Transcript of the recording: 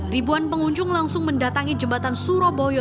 ribuan pengunjung langsung mendatangi jembatan surabaya